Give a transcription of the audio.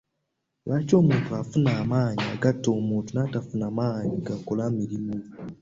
Lwaki omuntu afuna amaanyi agatta omuntu n'atafuna maanyi gakola mirimu.